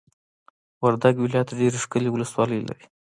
وردګ ولایت ډېرې ښکلې ولسوالۍ لري!